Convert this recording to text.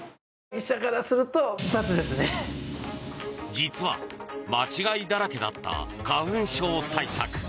実は、間違いだらけだった花粉症対策。